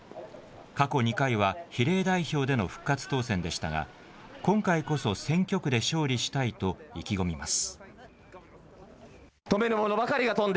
過去２回は、比例代表での復活当選でしたが、今回こそ選挙区で勝利したいと意気込みます。